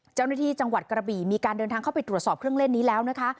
เจ้าหน้าที่จังหวัดกระบี่มีการเดินทางเข้าไปตรวจสอบเครื่องเล่นนี้แล้วนะคะ